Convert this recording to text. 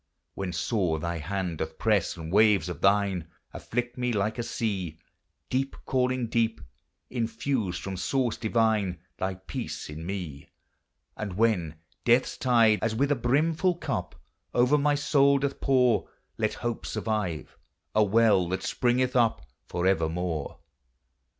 When sore thy hand doth press, and waves of thine Afflict me like a sea, — Deep calling deep, — infuse from source divine Thy peace in me ! SABBATH: WORSHIP; CREED. 255 And when death's tide, as with a brimful cup, Over inv soul doth pour, Let hope survive, — a well that springeth up Forevermore